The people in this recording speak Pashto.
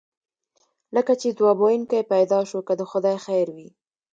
لکه چې ځواب ویونکی پیدا شو، که د خدای خیر وي.